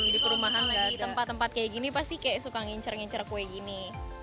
di perumahan di tempat tempat kayak gini pasti kayak suka ngincer ngincer kue gini